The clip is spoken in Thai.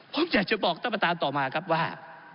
ผมอยากจะบอกต้องมาตามต่อมาครับว่า